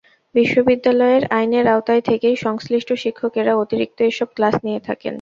বিশ্ববিদ্যালয়ের আইনের আওতায় থেকেই সংশ্লিষ্ট শিক্ষকেরা অতিরিক্ত এসব ক্লাস নিয়ে থাকেন।